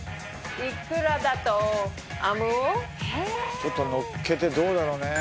ちょっとのっけてどうだろうね？